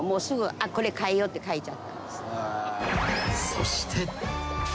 ［そして］